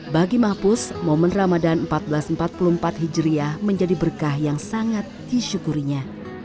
bagi mahpus momen ramadan seribu empat ratus empat puluh empat hijriah menjadi berkah yang sangat disyukurinya